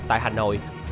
tại hà nội thanh xuân